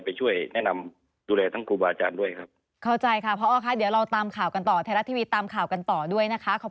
ไปช่วยแน่นำดุแลทั้งครูบาอาจารย์ด้วยครับ